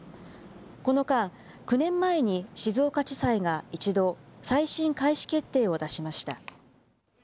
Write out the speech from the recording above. この間、９年前に静岡地裁が一度、再審開始決定を出しました。